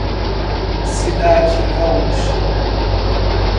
Cidade Gaúcha